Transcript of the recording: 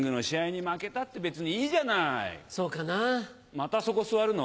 またそこ座るの？